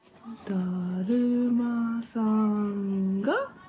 「だるまさんが」。